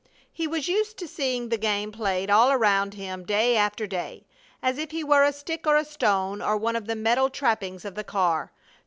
He was used to seeing the game played all around him day after day, as if he were a stick or a stone, or one of the metal trappings of the car.